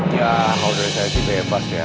ya kalau dari saya sih bebas ya